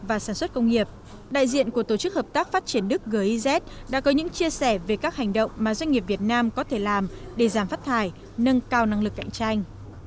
và sản xuất công nghiệp đại diện của tổ chức hợp tác phát triển đức giz đã có những chia sẻ về các hành động mà doanh nghiệp việt nam có thể làm để giảm phát thải nâng cao năng lực cạnh tranh